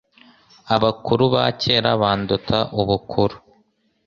abakuru ba kera banduta ubukuru,